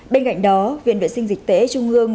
bên cạnh đó viện vệ sinh dịch tễ trung ương